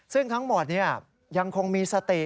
ซึ่งทั้งหมดยังคงมีสติ